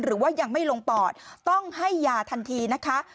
หรือว่ายังไม่ลงปอดต้องให้ยาทันทีนะคะ